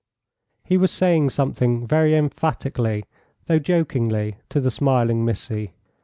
He was saying something very emphatically, though jokingly, to the smiling Missy.